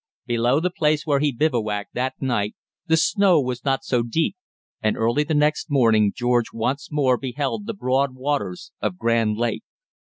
Below the place where he bivouacked that night the snow was not so deep, and early the next morning George once more beheld the broad waters of Grand Lake.